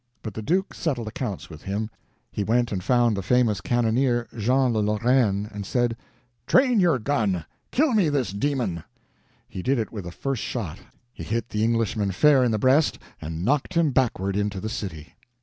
But the duke settled accounts with him. He went and found the famous cannoneer, Jean le Lorrain, and said: "Train your gun—kill me this demon." He did it with the first shot. He hit the Englishman fair in the breast and knocked him backward into the city.